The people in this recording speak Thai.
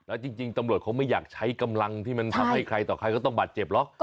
แล้วจริงตำรวจเขาไม่อยากใช้กำลังที่มันทำให้ใครต่อใครก็ต้องบาดเจ็บหรอก